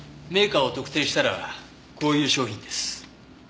メーカーを特定したらこういう商品です。